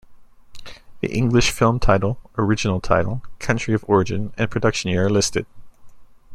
The English film title, original title, country of origin and production year are listed.